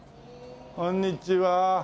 こんにちは。